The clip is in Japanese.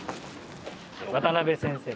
渡邊先生。